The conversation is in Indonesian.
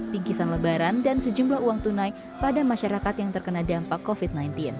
bingkisan lebaran dan sejumlah uang tunai pada masyarakat yang terkena dampak covid sembilan belas